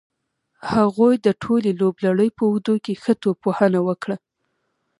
هغوی د ټولې لوبلړۍ په اوږدو کې ښه توپ وهنه وکړه.